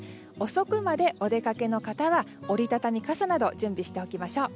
遅くまでお出かけの方は折り畳み傘など準備しましょう。